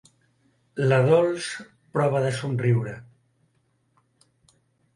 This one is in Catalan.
La Dols prova de somriure.